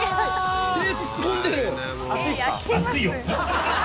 手突っ込んでる。